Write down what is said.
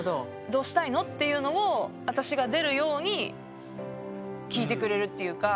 どうしたいの？っていうのを私が出るように聞いてくれるっていうか。